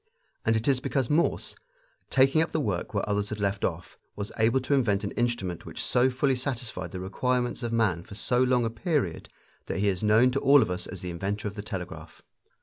And it is because Morse, taking up the work where others had left off, was able to invent an instrument which so fully satisfied the requirements of man for so long a period that he is known to all of us as the inventor of the telegraph.